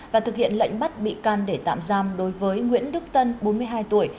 và thực hiện lệnh bắt bị can để tạm giam đối với nguyễn đức tân bốn mươi hai tuổi